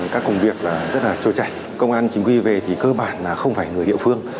các công việc rất là trôi chảy công an chính quy về thì cơ bản là không phải người địa phương